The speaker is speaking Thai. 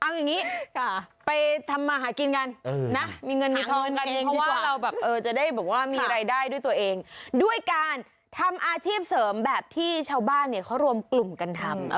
เอาอย่างนี้ไปทำมาหากินกันนะมีเงินมีทองกันเพราะว่าเราแบบจะได้บอกว่ามีรายได้ด้วยตัวเองด้วยการทำอาชีพเสริมแบบที่ชาวบ้านเนี่ยเขารวมกลุ่มกันทำ